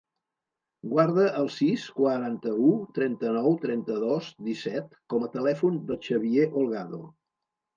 Guarda el sis, quaranta-u, trenta-nou, trenta-dos, disset com a telèfon del Xavier Holgado.